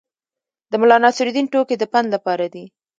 د ملانصرالدین ټوکې د پند لپاره دي.